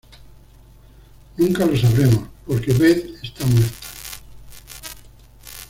Nunca lo sabremos, porque Beth está muerta".